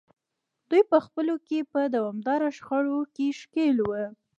دوی په خپلو کې په دوامداره شخړو کې ښکېل وو.